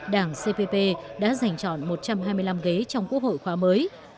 đảng cpp đã giành chọn một trăm hai mươi năm ghế trong quốc hội khóa mới